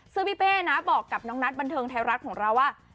ซึ่งพี่เป้นะบอกกับน้องนัทบันเทิงไทยรัฐของเราว่า